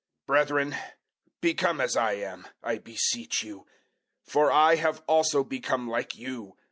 004:012 Brethren, become as I am, I beseech you; for I have also become like you.